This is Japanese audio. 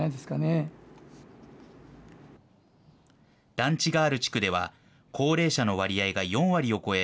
団地がある地区では、高齢者の割合が４割を超え、